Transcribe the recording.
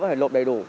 xe lốt đầy đủ